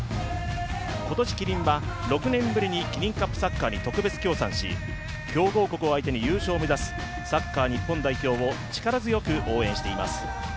今年、キリンは６年ぶりにキリンカップサッカーに特別協賛し強豪国を相手に優勝を目指すサッカー日本代表を力強く応援しています。